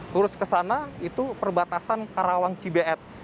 terus ke sana itu perbatasan karawang cibeet